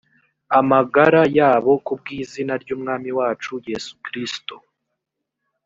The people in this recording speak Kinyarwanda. amagara yabo ku bw izina ry umwami wacu yesu kristo